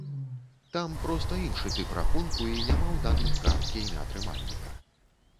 Там проста іншы тып рахунку і няма ў даных карткі імя трымальніка.